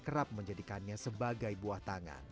kerap menjadikannya sebagai buah tangan